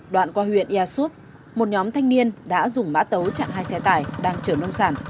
đoạn qua huyện easup một nhóm thanh niên đã dùng mã tấu chặn hai xe tải đang trở nông sản